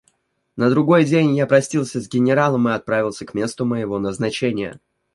На другой день я простился с генералом и отправился к месту моего назначения.